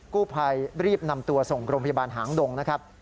กู้ภัยรีบนำตัวส่งโรงพยาบาลหางดงนะครับ